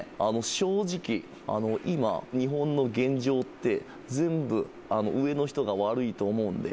正直今日本の現状って全部上の人が悪いと思うんで。